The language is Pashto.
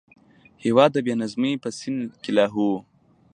هېواد د بې نظمۍ په سین کې لاهو و.